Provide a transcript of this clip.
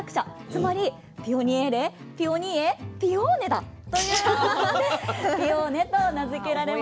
つまりピオニエーレピオニエピオーネだということでピオーネと名付けられました。